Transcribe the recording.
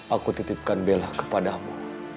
aku titipkan belah kepadamu